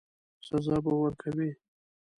سزا به ورکوي.